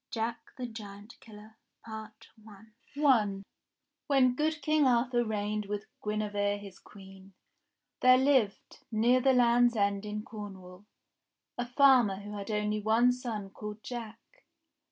S JACK THE GIANT KILLER I WHEN good King Arthur reigned with Guinevere his Queen, there hved, near the Land's End in Corn wall, a farmer who had one only son called Jack.